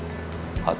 seperti kata kota